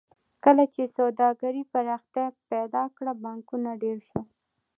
کله چې سوداګرۍ پراختیا پیدا کړه بانکونه ډېر شول